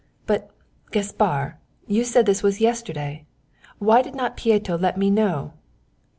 "But, Gaspar, you say this was yesterday. Why did not Pieto let me know?"